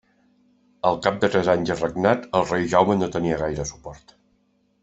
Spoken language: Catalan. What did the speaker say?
Al cap de tres anys de regnat, el rei Jaume no tenia gaire suport.